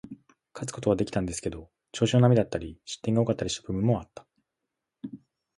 勝つことはできたんですけど、調子の波だったり、失点が多かったりした部分もあった。